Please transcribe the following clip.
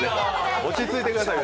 落ち着いてくださいね。